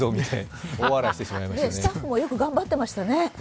スタッフもよく頑張っていましたね。